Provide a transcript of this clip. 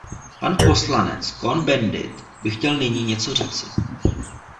Pan poslanec Cohn-Bendit by chtěl nyní něco říci.